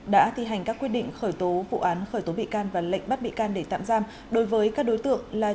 đã thi hành các quyết định khởi tố vụ án khởi tố bị can và lệnh bắt bị can để tạm giam đối với các đối tượng là